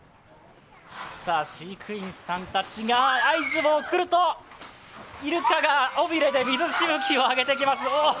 飼育員さんたちが合図を送るとイルカが尾びれで水しぶきを上げてきます。